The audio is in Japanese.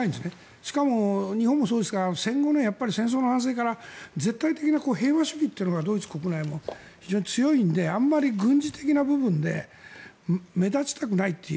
しかも日本もそうですが戦後、戦争の反省から絶対的な平和主義というのがドイツ国内も非常に強いのであまり軍事的な部分で目立ちたくないという。